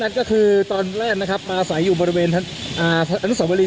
งัตตก็คือตอนแรกนะครับปลาไสอยู่บริเวณอะอันตรสำวรี